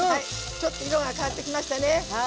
ちょっと色が変わってきましたね。